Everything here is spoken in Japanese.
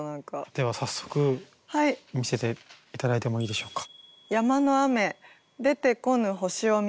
では早速見せて頂いてもいいでしょうか。